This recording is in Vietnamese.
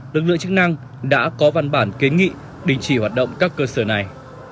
lực lượng chức năng đã có văn bản kiến nghị đình chỉ hoạt động các cơ sở này